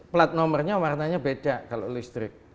plat nomornya warnanya beda kalau listrik